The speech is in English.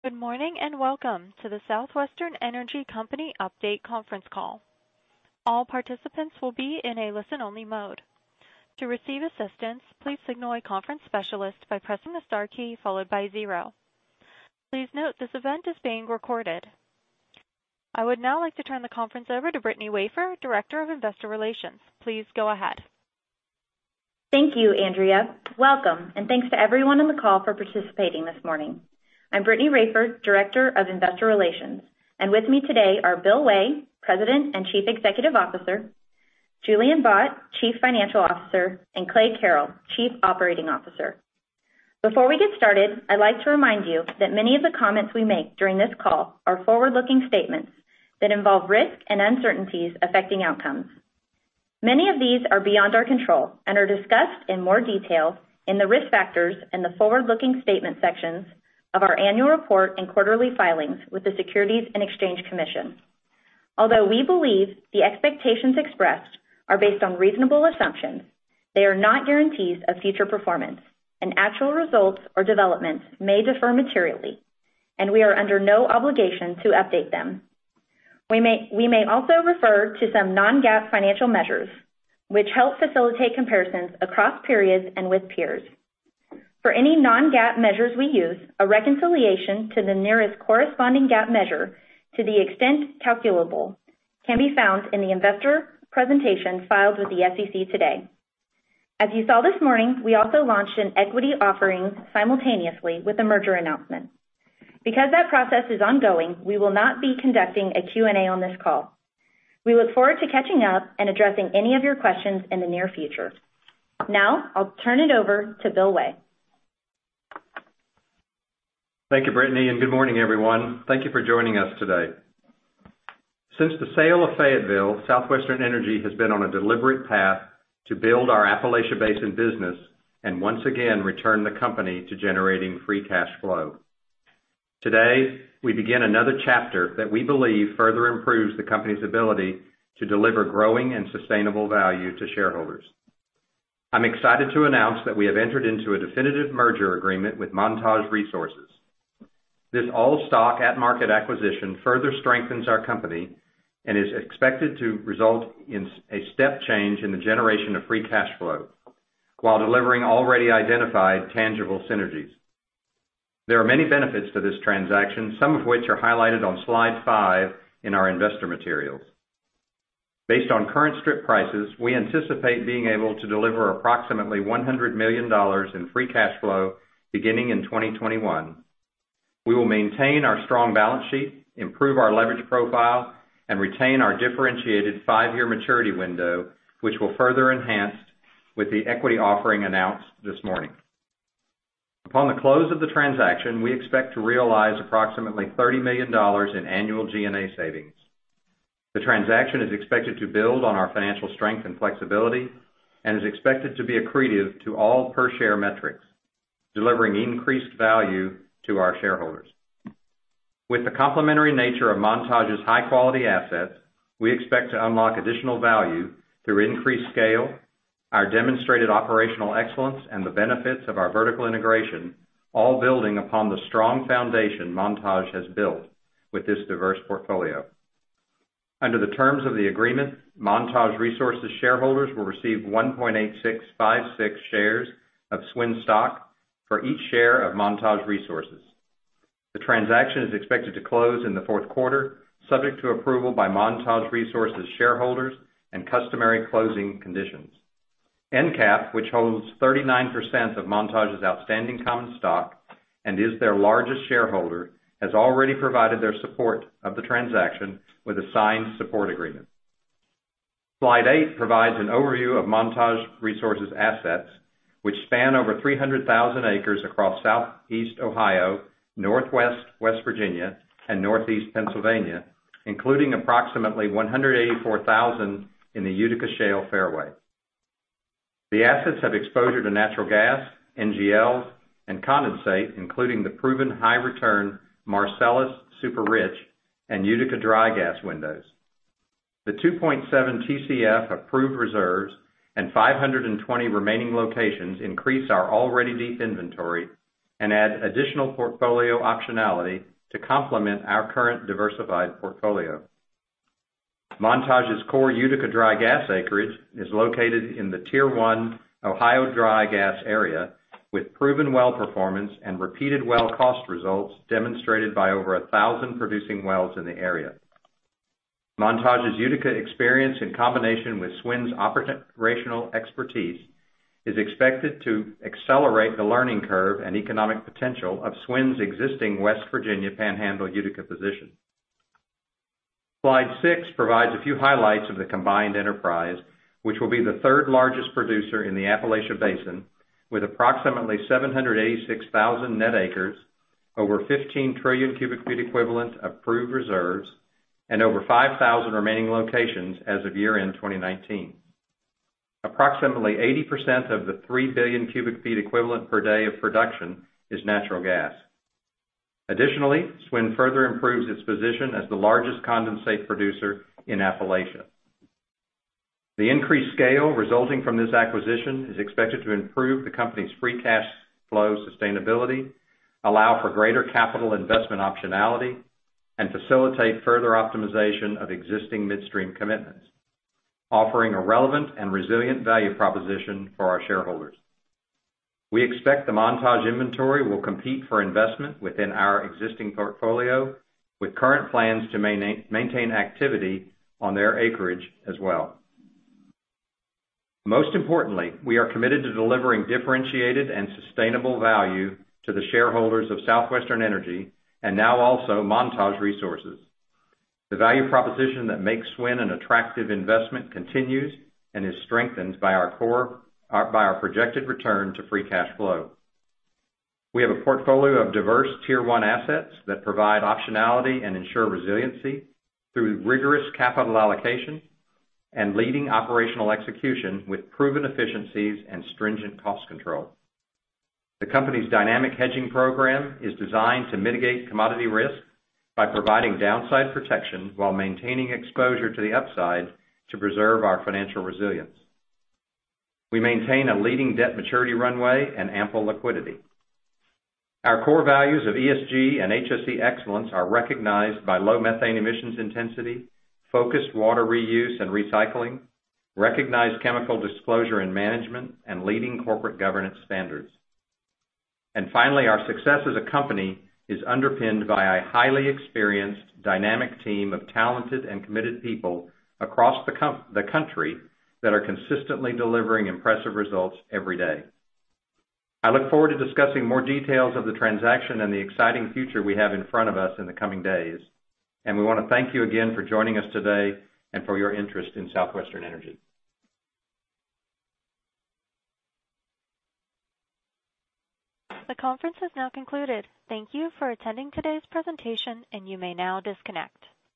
Good morning, and welcome to the Southwestern Energy Company update conference call. All participants will be in a listen-only mode. To receive assistance, please signal a conference specialist by pressing the star key followed by zero. Please note this event is being recorded. I would now like to turn the conference over to Brittany Raiford, Director of Investor Relations. Please go ahead. Thank you, Andrea. Welcome, and thanks to everyone on the call for participating this morning. I'm Brittany Raiford, Director of Investor Relations. With me today are Bill Way, President and Chief Executive Officer, Julian Bott, Chief Financial Officer, and Clay Carrell, Chief Operating Officer. Before we get started, I'd like to remind you that many of the comments we make during this call are forward-looking statements that involve risks and uncertainties affecting outcomes. Many of these are beyond our control and are discussed in more detail in the Risk Factors and the Forward-looking Statements sections of our annual report and quarterly filings with the Securities and Exchange Commission. Although we believe the expectations expressed are based on reasonable assumptions, they are not guarantees of future performance, and actual results or developments may differ materially, and we are under no obligation to update them. We may also refer to some non-GAAP financial measures, which help facilitate comparisons across periods and with peers. For any non-GAAP measures we use, a reconciliation to the nearest corresponding GAAP measure, to the extent calculable, can be found in the investor presentation filed with the SEC today. As you saw this morning, we also launched an equity offering simultaneously with the merger announcement. Because that process is ongoing, we will not be conducting a Q&A on this call. We look forward to catching up and addressing any of your questions in the near future. I'll turn it over to Bill Way. Thank you, Brittany. Good morning, everyone. Thank you for joining us today. Since the sale of Fayetteville, Southwestern Energy has been on a deliberate path to build our Appalachian Basin business and once again return the company to generating free cash flow. Today, we begin another chapter that we believe further improves the company's ability to deliver growing and sustainable value to shareholders. I'm excited to announce that we have entered into a definitive merger agreement with Montage Resources. This all-stock at market acquisition further strengthens our company and is expected to result in a step change in the generation of free cash flow while delivering already identified tangible synergies. There are many benefits to this transaction, some of which are highlighted on slide five in our investor materials. Based on current strip prices, we anticipate being able to deliver approximately $100 million in free cash flow beginning in 2021. We will maintain our strong balance sheet, improve our leverage profile, and retain our differentiated five-year maturity window, which will further enhance with the equity offering announced this morning. Upon the close of the transaction, we expect to realize approximately $30 million in annual G&A savings. The transaction is expected to build on our financial strength and flexibility and is expected to be accretive to all per-share metrics, delivering increased value to our shareholders. With the complementary nature of Montage's high-quality assets, we expect to unlock additional value through increased scale, our demonstrated operational excellence, and the benefits of our vertical integration, all building upon the strong foundation Montage has built with this diverse portfolio. Under the terms of the agreement, Montage Resources shareholders will receive 1.8656 shares of SWN stock for each share of Montage Resources. The transaction is expected to close in the fourth quarter, subject to approval by Montage Resources shareholders and customary closing conditions. EnCap, which holds 39% of Montage's outstanding common stock and is their largest shareholder, has already provided their support of the transaction with a signed support agreement. Slide eight provides an overview of Montage Resources' assets, which span over 300,000 acres across Southeast Ohio, Northwest West Virginia, and Northeast Pennsylvania, including approximately 184,000 in the Utica Shale fairway. The assets have exposure to natural gas, NGLs, and condensate, including the proven high-return Marcellus Super Rich and Utica Dry Gas windows. The 2.7 Tcf proved reserves and 520 remaining locations increase our already deep inventory and add additional portfolio optionality to complement our current diversified portfolio. Montage's core Utica dry gas acreage is located in the Tier I Ohio Dry Gas area with proven well performance and repeated well cost results demonstrated by over 1,000 producing wells in the area. Montage's Utica experience in combination with SWN's operational expertise is expected to accelerate the learning curve and economic potential of SWN's existing West Virginia Panhandle Utica position. Slide six provides a few highlights of the combined enterprise, which will be the third-largest producer in the Appalachian Basin with approximately 786,000 net acres, over 15 trillion cubic feet equivalent of proved reserves, and over 5,000 remaining locations as of year-end 2019. Approximately 80% of the 3 billion cubic feet equivalent per day of production is natural gas. Additionally, SWN further improves its position as the largest condensate producer in Appalachia. The increased scale resulting from this acquisition is expected to improve the company's free cash flow sustainability, allow for greater capital investment optionality, and facilitate further optimization of existing midstream commitments, offering a relevant and resilient value proposition for our shareholders. We expect the Montage inventory will compete for investment within our existing portfolio, with current plans to maintain activity on their acreage as well. Most importantly, we are committed to delivering differentiated and sustainable value to the shareholders of Southwestern Energy, and now also Montage Resources. The value proposition that makes SWN an attractive investment continues and is strengthened by our projected return to free cash flow. We have a portfolio of diverse Tier 1 assets that provide optionality and ensure resiliency through rigorous capital allocation and leading operational execution with proven efficiencies and stringent cost control. The company's dynamic hedging program is designed to mitigate commodity risk by providing downside protection while maintaining exposure to the upside to preserve our financial resilience. We maintain a leading debt maturity runway and ample liquidity. Our core values of ESG and HSE excellence are recognized by low methane emissions intensity, focused water reuse and recycling, recognized chemical disclosure and management, and leading corporate governance standards. Finally, our success as a company is underpinned by a highly experienced, dynamic team of talented and committed people across the country that are consistently delivering impressive results every day. I look forward to discussing more details of the transaction and the exciting future we have in front of us in the coming days, and we want to thank you again for joining us today and for your interest in Southwestern Energy. The conference has now concluded. Thank you for attending today's presentation, and you may now disconnect.